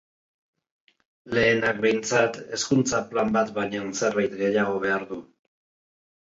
Lehenak, behintzat, Hezkuntza Plan bat baino zerbait gehiago behar du.